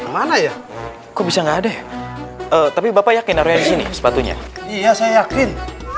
mana ya kok bisa enggak ada tapi bapak yakin harusnya sepatunya iya saya yakin